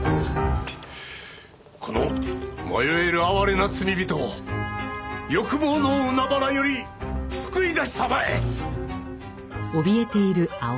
この迷える哀れな罪人を欲望の海原より救い出したまえ！